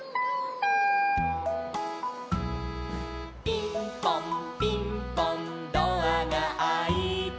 「ピンポンピンポンドアがあいて」